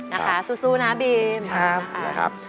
นะคะสู้นะบีมนะครับ